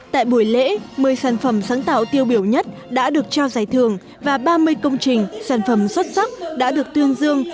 tại buổi lễ một mươi sản phẩm sáng tạo tiêu biểu nhất đã được trao giải thưởng và ba mươi công trình sản phẩm xuất sắc đã được tương dương